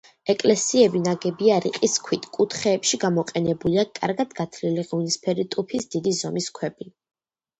ეკლესიები ნაგებია რიყის ქვით, კუთხეებში გამოყენებულია კარგად გათლილი ღვინისფერი ტუფის დიდი ზომის ქვები.